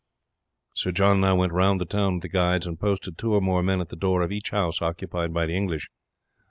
Sir John now went round the town with the guides and posted two or more men at the door of each house occupied by the English.